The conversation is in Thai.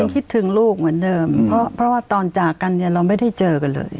คิดถึงลูกเหมือนเดิมเพราะว่าตอนจากกันเนี่ยเราไม่ได้เจอกันเลย